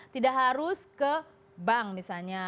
tidak harus ke bank misalnya